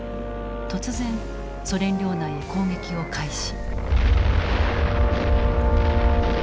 突然ソ連領内へ攻撃を開始。